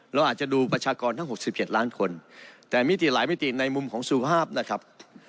เราอาจจะดูประชากรทั้ง๖๗ล้านคนแต่มิติหลายมิติในมุมของสุภาพนะครับ